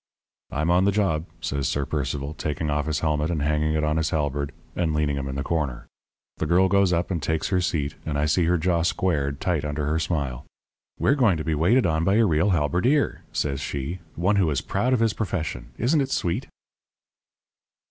"'I'm on the job,' says Sir Percival, taking off his helmet and hanging it on his halberd and leaning 'em in the corner. The girl goes up and takes her seat and I see her jaw squared tight under her smile. 'We're going to be waited on by a real halberdier,' says she, 'one who is proud of his profession. Isn't it sweet?'